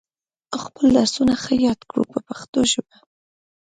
خپل درسونه ښه یاد کړو په پښتو ژبه.